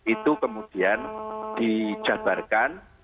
itu kemudian dijabarkan